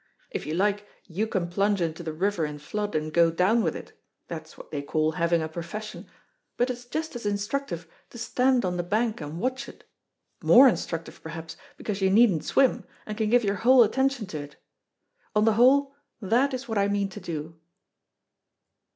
If you like you can plunge into the river in flood and go down with it that's what they call having a profession but it's just as instructive to stand on the bank and watch it; more instructive, perhaps, because you needn't swim, and can give your whole attention to it. On the whole, that is what I mean to do."